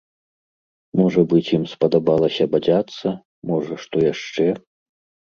Можа быць, ім спадабалася бадзяцца, можа, што яшчэ?